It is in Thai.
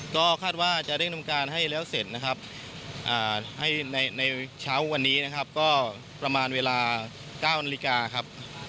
ก็คาดว่าจะเร่งทำการให้แล้วเสร็จนะครับให้ในเช้าวันนี้นะครับก็ประมาณเวลา๙นาฬิกาครับ